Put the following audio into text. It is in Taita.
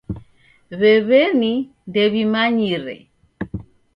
W'ew'eni ndew'imanyire.